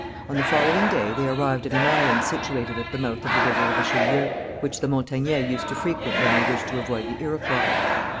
On the following day they arrived at an island situated at the mouth of the river Richelieu, which the Montagnais used to frequent when they wished to avoid the Iroquois.